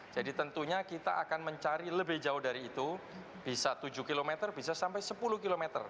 jadi tentunya kita akan mencari lebih jauh dari itu bisa tujuh km bisa sampai sepuluh km